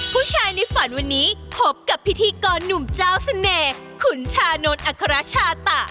ผู้ชายในฝันวันนี้พบกับพิธีกรหนุ่มเจ้าเสน่ห์ขุนชานนท์อัครชาตะ